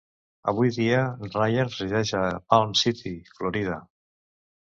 Avui dia, Ryan resideix a Palm City, Florida.